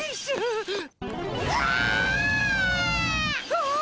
ああ！